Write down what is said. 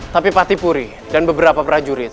tapi pak tipuri dan beberapa prajurit